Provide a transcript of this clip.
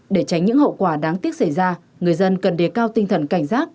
để tránh những hậu quả đáng tiếc xảy ra người dân cần đề cao tinh thần cảnh giác